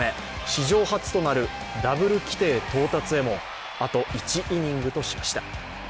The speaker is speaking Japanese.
史上初となるダブル規定到達へもあと１イニングとしました。